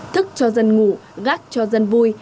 thức cho dân ngủ gác cho dân vui